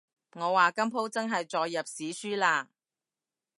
我話今舖真係載入史書喇